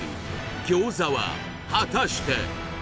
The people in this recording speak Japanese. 餃子は果たして！？